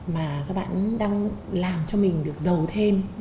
mà các bạn đang làm cho mình được giàu thêm